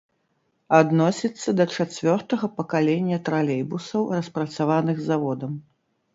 Адносіцца да чацвёртага пакалення тралейбусаў, распрацаваных заводам.